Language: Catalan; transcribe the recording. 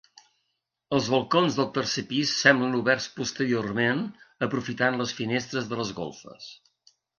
Els balcons del tercer pis semblen oberts posteriorment aprofitant les finestres de les golfes.